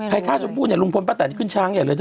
ฆ่าชมพู่เนี่ยลุงพลป้าแตนนี่ขึ้นช้างใหญ่เลยเธอ